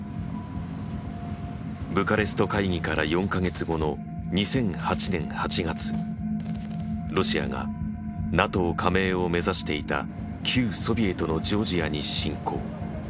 ブカレスト会議から４か月後の２００８年８月ロシアがＮＡＴＯ加盟を目指していた旧ソビエトのジョージアに侵攻。